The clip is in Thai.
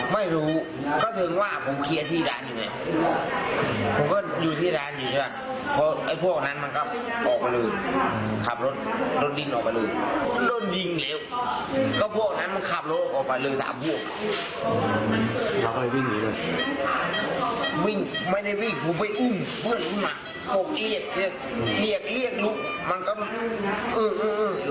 เพื่อนของมันก็เครียดเรียกเรียกเรียกมันก็เอออยู่